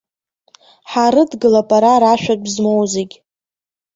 Ҳаарыдгылап ара рашәатә змоу зегь.